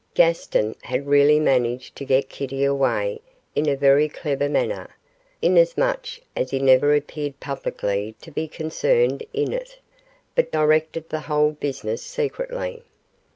Gaston had really managed to get Kitty away in a very clever manner, inasmuch as he never appeared publicly to be concerned in it, but directed the whole business secretly.